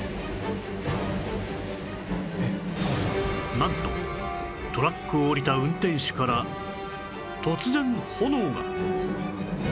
なんとトラックを降りた運転手から突然炎が